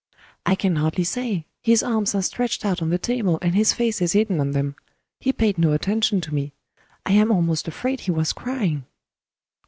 "I can hardly say. His arms are stretched out on the table, and his face is hidden on them. He paid no attention to me. I am almost afraid he was crying."